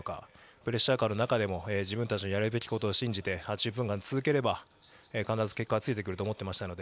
プレッシャーかかる中でも自分たちのやるべきことを信じて８０分間続ければ必ず結果はついてくると思ってましたし